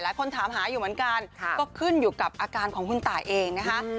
หลายคนถามหาอยู่เหมือนกันก็ขึ้นอยู่กับอาการของคุณตายเองนะคะ